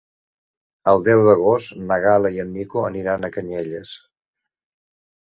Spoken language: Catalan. El deu d'agost na Gal·la i en Nico aniran a Canyelles.